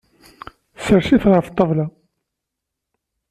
Sers-itt ɣef ṭṭabla.